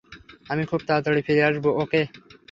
আমি খুব তাড়াতাড়ি ফিরে আসব, ওকে?